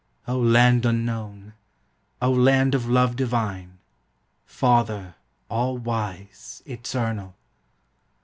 O land unknown! O land of love divine! Father, all wise, eternal!